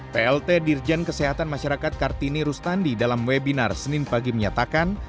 plt dirjen kesehatan masyarakat kartini rustandi dalam webinar senin pagi menyatakan